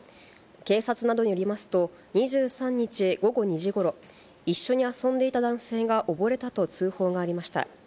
警察などによりますと、２３日午後２時ごろ、一緒に遊んでいた男性が溺れたと通報がありました。